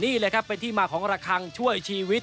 นี่แหละครับเป็นที่มาของระคังช่วยชีวิต